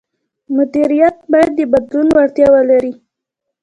مدیریت باید د بدلون وړتیا ولري.